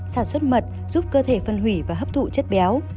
sản xuất mật giúp cơ thể phân hủy và hấp thụ chất béo